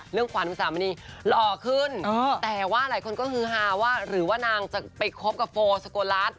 ขวานอุสามณีหล่อขึ้นแต่ว่าหลายคนก็คือฮาว่าหรือว่านางจะไปคบกับโฟสโกลัส